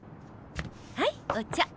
はいお茶。